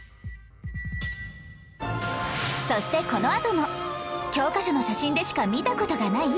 そしてこのあとも教科書の写真でしか見た事がない？